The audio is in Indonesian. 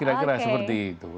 kira kira seperti itu